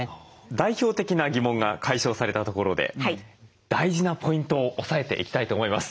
代表的な疑問が解消されたところで大事なポイントを押さえていきたいと思います。